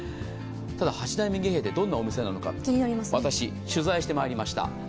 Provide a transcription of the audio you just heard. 八代目儀兵衛ってどんなお店なのか、私、取材してまいりました。